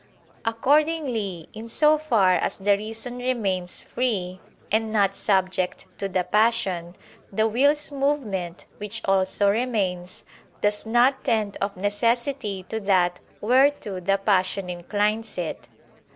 Accordingly in so far as the reason remains free, and not subject to the passion, the will's movement, which also remains, does not tend of necessity to that whereto the passion inclines it.